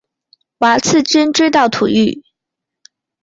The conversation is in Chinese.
瓦剌军追到土域。